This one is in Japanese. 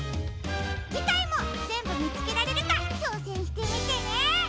じかいもぜんぶみつけられるかちょうせんしてみてね！